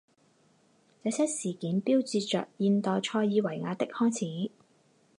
这些事件标志着现代塞尔维亚的开始。